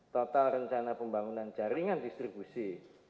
total rencana pembangunan jaringan distribusi